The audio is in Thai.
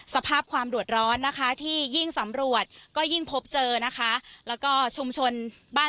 สภาพความเดือดร้อนนะคะที่ยิ่งสำรวจก็ยิ่งพบเจอนะคะแล้วก็ชุมชนบ้าน